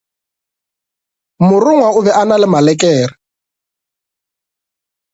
Morongwa o be a na le malekere.